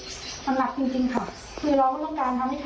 ครับมันหลักจริงจริงค่ะคือเราก็ต้องการทำให้ใครเดี๋ยวล้อ